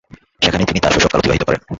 সেখানেই তিনি তার শৈশবকাল অতিবাহিত করেন।